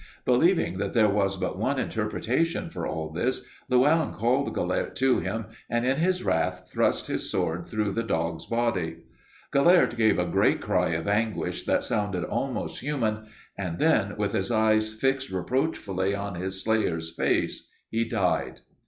"Believing that there was but one interpretation for all this, Llewelyn called Gelert to him and in his wrath thrust his sword through the dog's body. Gelert gave a great cry of anguish that sounded almost human, and then, with his eyes fixed reproachfully on his slayer's face, he died.